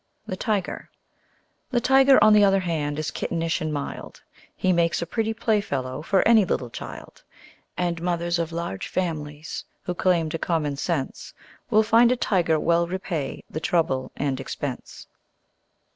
The Tiger The Tiger on the other hand, is kittenish and mild, He makes a pretty playfellow for any little child; And mothers of large families (who claim to common sense) Will find a Tiger well repay the trouble and expense.